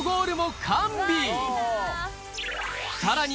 さらに